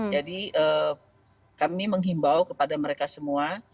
jadi kami menghimbau kepada mereka semua